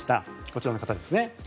こちらの方ですね。